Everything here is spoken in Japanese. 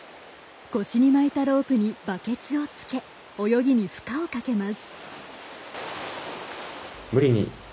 腰に巻いたロープにバケツをつけ泳ぎに負荷をかけます。